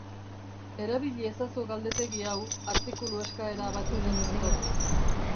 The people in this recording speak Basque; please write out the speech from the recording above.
Erabili ezazu galdetegi hau artikulu eskaera bat bidaltzeko.